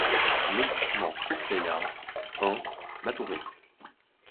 Lotissement Copaya un, Matoury